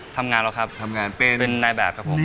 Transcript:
ทำงานแล้วครับทำงานเป็นนายแบบครับผม